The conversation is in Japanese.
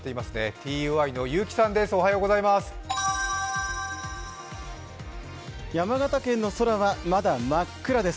ＴＵＹの結城さんです。